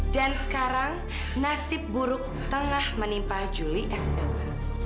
dan sekarang nasib buruk tengah menimpa julie estella